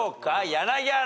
柳原。